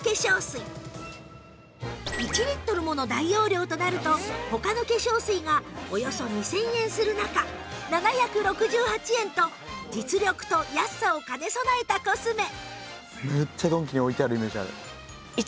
１リットルもの大容量となると他の化粧水がおよそ２０００円する中７６８円と実力と安さを兼ね備えたコスメ